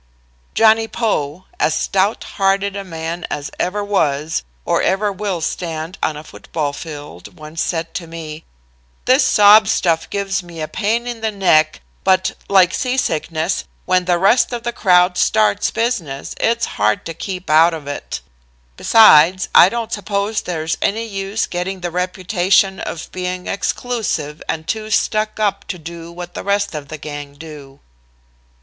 "Johnny Poe, as stout hearted a man as ever has, or ever will stand on a football field, once said to me: "'This sob stuff gives me a pain in the neck but, like sea sickness, when the rest of the crowd start business, it's hard to keep out of it. Besides, I don't suppose there's any use getting the reputation of being exclusive and too stuck up to do what the rest of the gang do.'